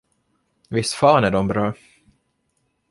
Visst fan är dom bra!